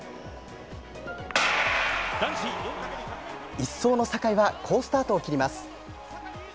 １走の坂井は好スタートを切ります。